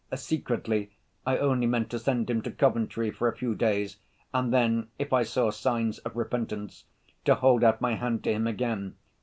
Secretly I only meant to send him to Coventry for a few days and then, if I saw signs of repentance, to hold out my hand to him again.